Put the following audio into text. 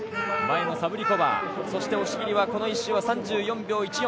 前のサブリコバー、そして押切は３４秒１４。